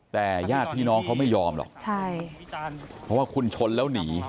แต่ญาติพี่น้องเขาไม่ยอมหรอกใช่เพราะว่าคุณชนแล้วหนี